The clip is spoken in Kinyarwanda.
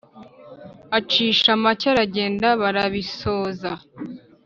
acisha make aragenda barabisoza,